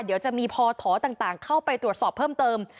เดี๋ยวจะมีพอถอต่างเข้าไปตรวจสอบเพิ่มเติม